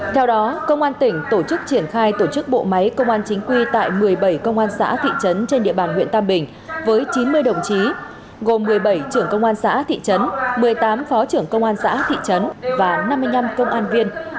theo đó công an tỉnh tổ chức triển khai tổ chức bộ máy công an chính quy tại một mươi bảy công an xã thị trấn trên địa bàn huyện tam bình với chín mươi đồng chí gồm một mươi bảy trưởng công an xã thị trấn một mươi tám phó trưởng công an xã thị trấn và năm mươi năm công an viên